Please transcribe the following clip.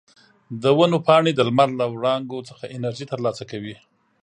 د ونو پاڼې د لمر له وړانګو څخه انرژي ترلاسه کوي.